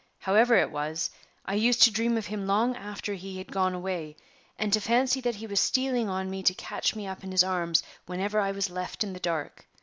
However it was, I used to dream of him long after he had gone away, and to fancy that he was stealing on me to catch me up in his arms whenever I was left in the dark.